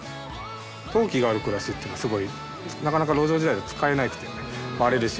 陶器がある暮らしっていうのはすごいなかなか路上時代は使えなくて割れるし。